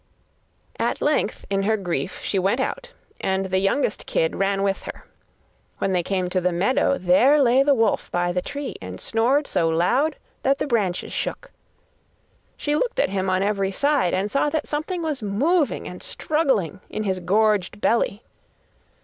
At length in her grief she went out, and the youngest kid ran with her. When they came to the meadow, there lay the wolf by the tree and snored so loud that the branches shook. She looked at him on every side and saw that something was moving and struggling in his gorged belly.